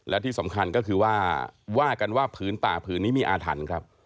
และที่สำคัญก็คือว่าว่ากันว่าผืนป่าผืนนี้มีอาถรรพ์ครับ